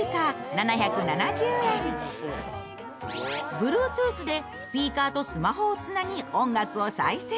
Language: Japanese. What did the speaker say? Ｂｌｕｅｔｏｏｔｈでスピーカーとスマホをつなぎ、音楽を再生。